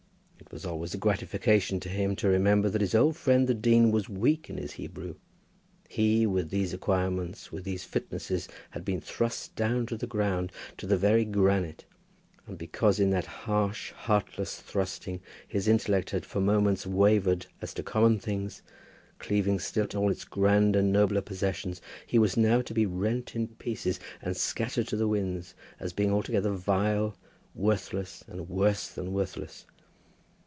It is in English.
It was always a gratification to him to remember that his old friend the dean was weak in his Hebrew. He, with these acquirements, with these fitnesses, had been thrust down to the ground, to the very granite, and because in that harsh heartless thrusting his intellect had for moments wavered as to common things, cleaving still to all its grander, nobler possessions, he was now to be rent in pieces and scattered to the winds, as being altogether vile, worthless, and worse than worthless.